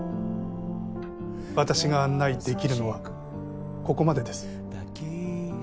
私が案内できるのはここまでです。